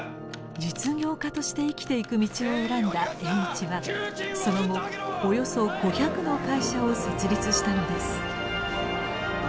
実業家として生きていく道を選んだ栄一はその後およそ５００の会社を設立したのです。